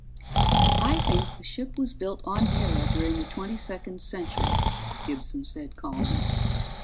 "I think the ship was built on Terra during the Twenty second Century," Gibson said calmly.